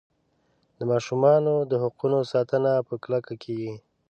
د ماشومانو د حقونو ساتنه په کلکه کیږي.